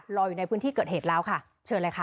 อยู่ในพื้นที่เกิดเหตุแล้วค่ะเชิญเลยค่ะ